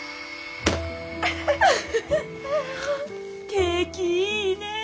景気いいねえ！